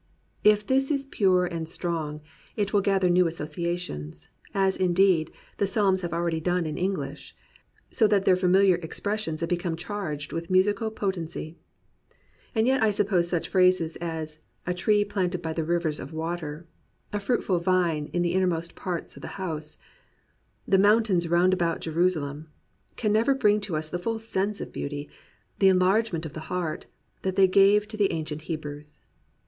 If this is pure and strong, it will gather new associations; as, indeed, the Psalms have already done in English, so that their familiar expressions have become charged with musical potency. And yet I suppose such phrases as "a tree planted by the rivers of water," "a fruit ful vine in the innermost parts of the house," "the mountains round about Jerusalem," can never bring to us the full sense of beauty, the enlargement of heart, that they gave to the ancient Hebrews.